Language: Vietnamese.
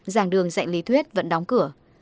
giảng đường dạy lý thuyết vẫn đóng cửa